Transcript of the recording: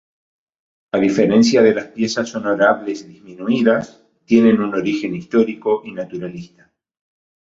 A diferencia de las piezas honorables disminuidas, tienen un origen histórico y naturalista.